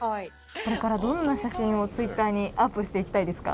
これからどんな写真をＴｗｉｔｔｅｒにアップしていきたいですか？